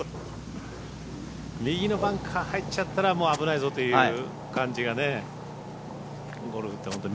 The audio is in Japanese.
右のバンカー入っちゃったらもう危ないぞという感じがゴルフって本当。